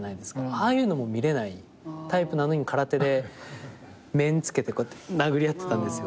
ああいうのも見れないタイプなのに空手で面つけてこうやって殴り合ってたんですよ。